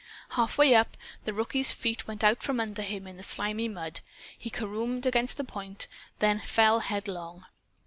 Half way up, the rookie's feet went out from under him in the slimy mud. He caromed against the point, then fell headlong.